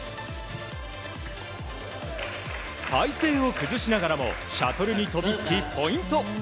体勢を崩しながらもシャトルに飛びつきポイント。